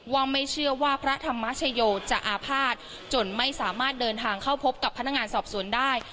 ว่าไม่เชื่อว่าพระธรรมชโยจะอาภาษณ์จนไม่สามารถเดินทางเข้าพบกับพนักงานสอบสวนได้